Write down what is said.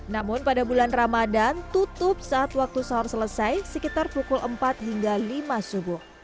namun pada bulan ramadan tutup saat waktu sahur selesai sekitar pukul empat hingga lima subuh